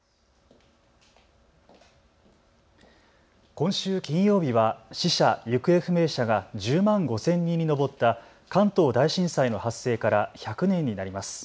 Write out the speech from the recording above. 今週金曜日は死者・行方不明者が１０万５０００人に上った関東大震災の発生から１００年になります。